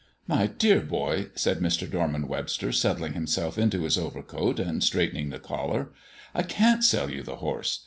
"My dear boy," said Mr. Dorman Webster, settling himself into his overcoat and straightening the collar, "I can't sell you the horse.